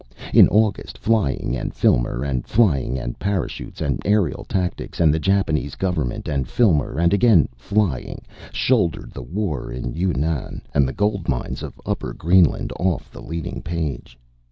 In August flying and Filmer and flying and parachutes and aerial tactics and the Japanese Government and Filmer and again flying, shouldered the war in Yunnan and the gold mines of Upper Greenland off the leading page.